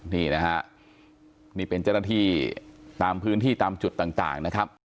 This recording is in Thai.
นี่นะฮะนี่เป็นเจ้าหน้าที่ตามพื้นที่ตามจุดต่างนะครับ